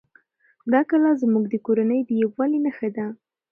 دا کلا زموږ د کورنۍ د یووالي نښه ده.